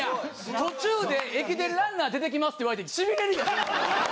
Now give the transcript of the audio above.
途中で駅伝ランナー出てきますっていって、しびれるよ。